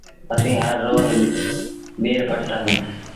اسيٚݩ هر روز ٻير پٽتآ سيٚݩ۔